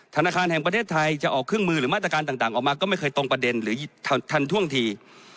ธนาคารแห่งประเทศไทยจะออกเครื่องมือหรือมาตรการต่างออกมาก็ไม่เคยตรงประเด็นหรือทันท่วงที